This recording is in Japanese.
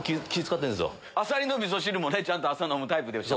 あさりのみそ汁もねちゃんと朝飲むタイプですよね。